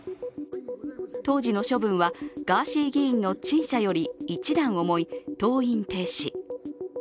当時の処分はガーシー議員の陳謝より一段重い登院停止。